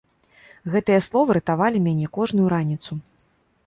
Гэтыя словы ратавалі мяне кожную раніцу.